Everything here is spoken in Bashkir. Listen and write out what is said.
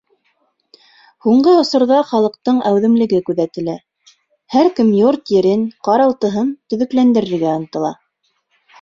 Һуңғы осорҙа халыҡтың әүҙемлеге күҙәтелә, һәр кем йорт-ерен, ҡаралтыһын төҙөкләндерергә ынтыла.